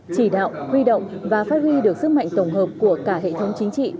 chỉ đạo huy động và phát huy được sức mạnh tổng hợp của cả hệ thống chính trị